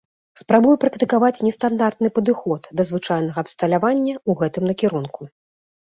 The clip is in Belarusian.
Спрабую практыкаваць нестандартны падыход да звычайнага абсталявання ў гэтым накірунку.